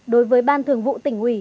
đối với ban thường vụ tỉnh ủy